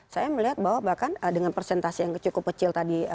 saya melihat bahwa bahkan dengan presentasi yang cukup kecil tadi